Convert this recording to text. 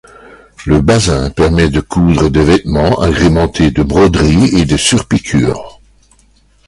Le bazin permet de coudre des vêtements agrémentés de broderies et de surpiqûres.